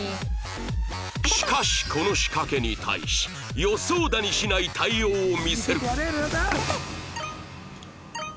しかしこの仕掛けに対し予想だにしない対応を見せる